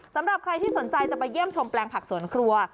สำหรับใครที่สนใจจะไปเยี่ยมชมแปลงผักสวนครัว